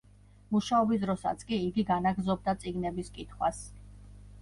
მუშაობის დროსაც კი იგი განაგრძობდა წიგნების კითხვას.